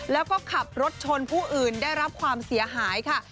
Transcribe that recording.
แล้วก็ขับรถชนผู้อื่นได้รับความเสียหายค่ะ